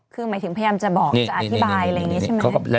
คือหมายถึงพยายามจะบอกจะอธิบายอะไรอย่างนี้ใช่ไหม